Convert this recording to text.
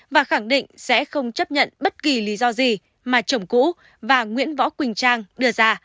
và khẳng định sẽ không chấp nhận bất kỳ lý do gì mà chồng cũ và nguyễn võ quỳnh trang đưa ra